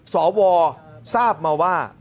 สวทราบมาว่า